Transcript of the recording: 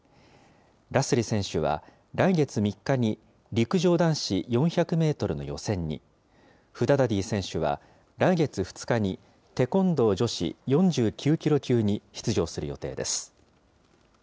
ラスリ選手は、来月３日に陸上男子４００メートルの予選に、フダダディ選手は来月２日に、テコンドー女子４９キロ級に出場する予定です。